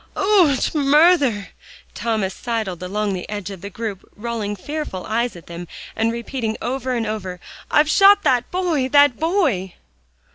"Och, murther!" Thomas sidled along the edge of the group, rolling fearful eyes at them, and repeating over and over, "I've shot that boy that boy!"